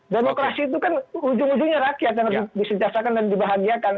demokrasi itu kan ujung ujungnya rakyat yang harus disediasakan dan dibahagiakan